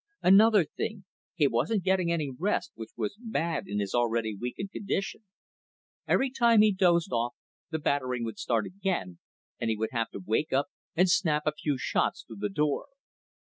Another thing, he wasn't getting any rest, which was bad in his already weakened condition. Every time he dozed off the battering would start again, and he would have to wake up and snap a few shots through the door.